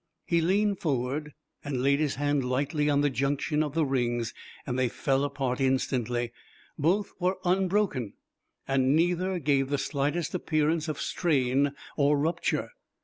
He leaned forward, and laid his hand lightly on the junction of the rings. They fell apart instantly. Both were unbroken; and neither gave the slightest appearance of strain or rupture.